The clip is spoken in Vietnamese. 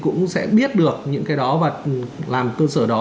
cũng sẽ biết được những cái đó và làm cơ sở đó